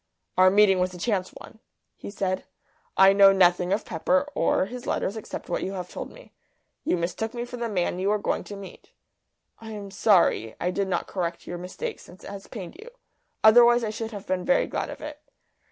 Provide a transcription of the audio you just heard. "Our meeting was a chance one," he said. "I know nothing of Pepper or his letters except what you have told me. You mistook me for the man you were going to meet. I am sorry I did not correct your mistake since it has pained you. Otherwise I should have been very glad of it."